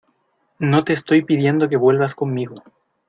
no te estoy pidiendo que vuelvas conmigo